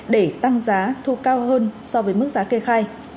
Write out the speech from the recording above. để tăng giá thu cao hơn so với mức giá kê khai